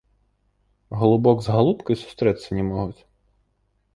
Галубок з галубкай сустрэцца не могуць.